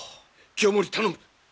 清盛頼む！